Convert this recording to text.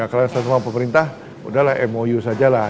ya kalau yang salah sama pemerintah udahlah mou saja lah